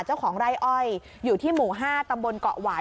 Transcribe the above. เจ้าของไร่อ้อยอยู่ที่หมู่๕ตำบลเกาะหวาย